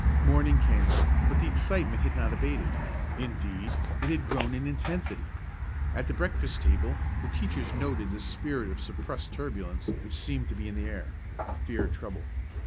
Morning came, but the excitement had not abated, indeed, it had grown in intensity. At the breakfast table the teachers noted the spirit of suppressed turbulence which seemed to be in the air, and feared trouble.